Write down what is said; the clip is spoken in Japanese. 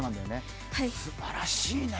すばらしいね。